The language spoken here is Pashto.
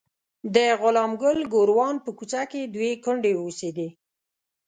د غلام ګل ګوروان په کوڅه کې دوې کونډې اوسېدې.